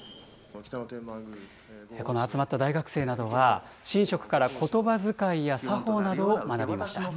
この集まった大学生などは、神職からことばづかいや作法などを学びました。